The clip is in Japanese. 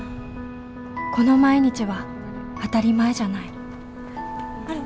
この毎日は当たり前じゃないあれ